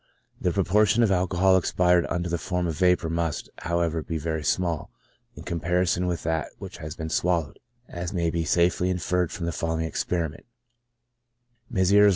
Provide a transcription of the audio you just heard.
The proportion of alcohol expired under the form of vapor must, however, be very small, in comparison with that which has been swallowed, as may be safely inferred from the following experiment : Messrs.